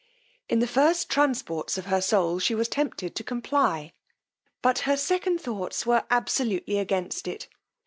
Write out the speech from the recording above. In the first transports of her soul she was tempted to comply; but her second thoughts were absolutely against it.